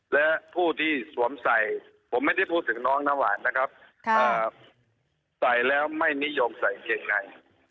และผู้ที่สวมใส่ผมไม่ได้พูดถึงน้องน้ำหวานนะครับใส่แล้วไม่นิยมใส่เกงใน